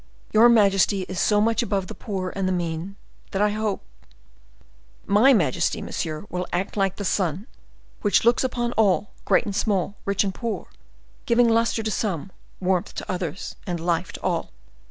Your majesty is so much above the poor and the mean, that I hope—" "My majesty, monsieur, will act like the sun, which looks upon all, great and small, rich and poor, giving luster to some, warmth to others, and life to all.